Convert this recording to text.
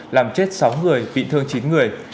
làm chết sáu người bị thương chín người